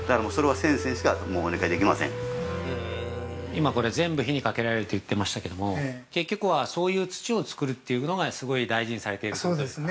◆今、これ全部火にかけられるって言ってましたけど結局は、そういう土をつくるっていうのがすごい大事にされてるってことですか？